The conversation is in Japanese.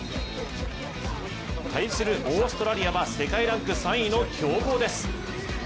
対するオーストラリアは世界ランク３位の強豪です。